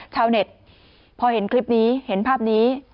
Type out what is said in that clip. ชาวเน็ตพอเห็นคลิปนี้เห็นภาพนี้